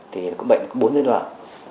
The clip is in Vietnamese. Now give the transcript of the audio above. thì bệnh có bốn giai đoạn